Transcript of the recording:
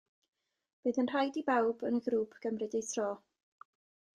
Bydd yn rhaid i bawb yn y grŵp gymryd eu tro.